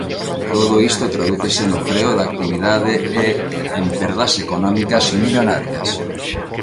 Todo isto tradúcese no freo da actividade e en perdas económicas millonarias.